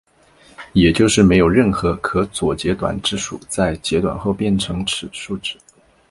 也就是没有任何可左截短质数在截短后会变成此数字。